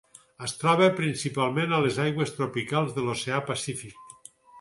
Es troba principalment a les aigües tropicals de l'Oceà Pacífic.